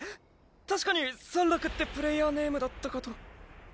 確かにサンラクってプレイヤーネームだったかと。